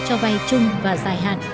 cho vay chung và dài hạn